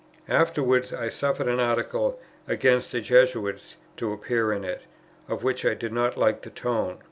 Afterwards I suffered an article against the Jesuits to appear in it, of which I did not like the tone.